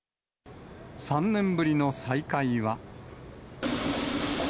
３年ぶりの再開は。